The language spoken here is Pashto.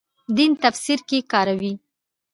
دین تفسیر کې کاروي.